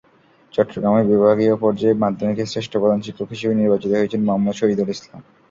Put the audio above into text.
চট্টগ্রামে বিভাগীয় পর্যায়ে মাধ্যমিকে শ্রেষ্ঠ প্রধান শিক্ষক হিসেবে নির্বাচিত হয়েছেন মোহাম্মদ শহীদুল ইসলাম।